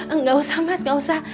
enggak usah mas gak usah